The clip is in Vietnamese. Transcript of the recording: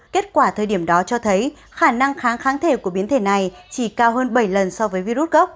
kết quả thời điểm đó cho thấy khả năng kháng kháng thể của biến thể này chỉ cao hơn bảy lần so với virus gốc